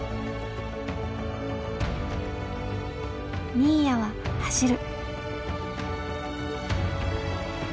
新谷は走る。